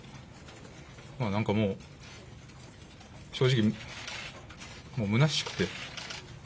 なんかもう、正直、もうむなしくて。